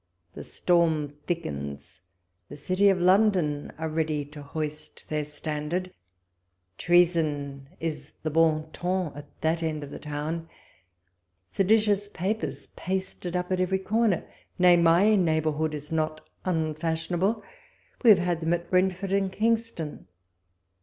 Tlie storm thickens. The City of London are ready to hoist their standard ; treason is the bon ton at that end of the town ; seditious papers pasted up at every corner : nay, my neighbourhood is not unfashionable ; we have had them at Brentford and Kingston.